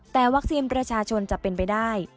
แต่วัคซีนประชาชนจะเป็นไปได้